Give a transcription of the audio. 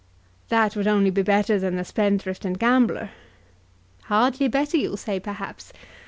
"That would only be better than the spendthrift and gambler." "Hardly better you'll say, perhaps.